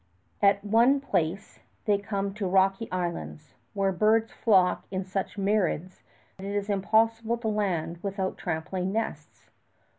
At one place they come to rocky islands, where birds flock in such myriads it is impossible to land without trampling nests.